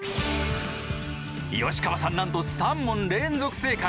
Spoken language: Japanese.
吉川さんなんと３問連続正解！